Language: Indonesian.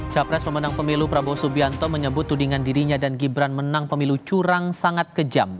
capres pemenang pemilu prabowo subianto menyebut tudingan dirinya dan gibran menang pemilu curang sangat kejam